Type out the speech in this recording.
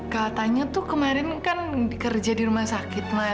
katanya tuh kemarin kan kerja di rumah sakit lah